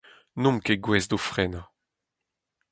N'omp ket gouest d'o frenañ.